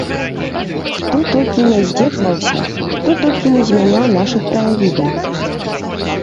Хто толькі ня зьдзекаваўся, хто толькі не зьмяняў нашых краявідаў!